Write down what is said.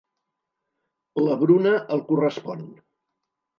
La Bruna el correspon.